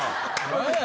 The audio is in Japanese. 何や？